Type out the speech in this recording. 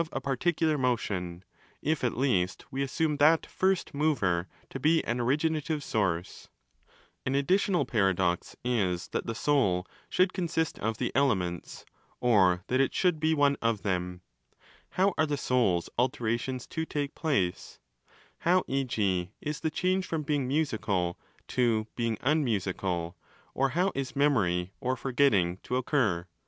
a first cause of motion in general. 645 18 F 5 332): ΡῈ GENERATIONE ET CORRUPTIONE το An additional paradox is that the soul should consist of the 'elements', or that it should be one of them. How are the soul's 'alterations' to take place? How, e.g., is the change from being musical to being unmusical, or how. is memory or forgetting, to occur?